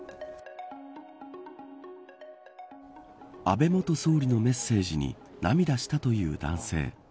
安倍元総理のメッセージに涙したという男性。